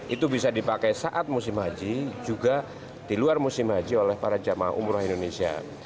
itu bisa dipakai saat musim haji juga di luar musim haji oleh para jemaah umroh indonesia